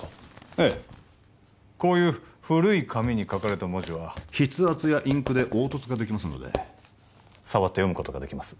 ええこういう古い紙に書かれた文字は筆圧やインクで凹凸ができますので触って読むことができます